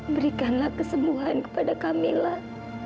berikanlah kesembuhan kepada kamilah